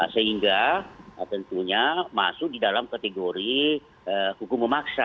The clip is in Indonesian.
sehingga tentunya masuk di dalam kategori hukum memaksa